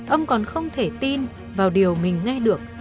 ông còn không thể tin vào điều mình nghe được